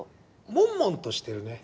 もんもんとしてるね。